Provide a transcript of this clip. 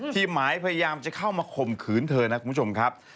หมายพยายามจะเข้ามาข่มขืนเธอนะคุณผู้ชมครับ